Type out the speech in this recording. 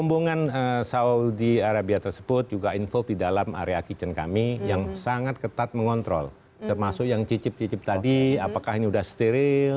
rombongan saudi arabia tersebut juga involve di dalam area kitchen kami yang sangat ketat mengontrol termasuk yang cicip cicip tadi apakah ini sudah steril